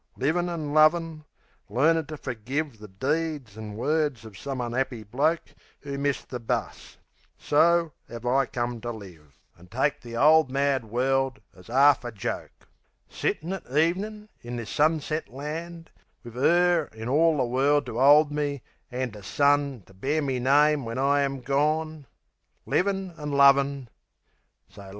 Livin' an' lovin'; learnin' to fergive The deeds an' words of some un'appy bloke Who's missed the bus so 'ave I come to live, An' take the 'ole mad world as 'arf a joke. Sittin' at ev'nin' in this sunset land, Wiv 'Er in all the World to 'old me 'and, A son, to bear me name when I am gone.... Livin' an' lovin' so life mooches on. The Glossary A.